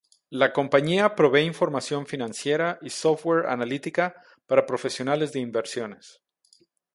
La compañía provee información financiera y software analítica para profesionales de inversiones.